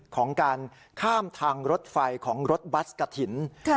ของการข้ามทางรถไฟของรถบัสกะถิ่น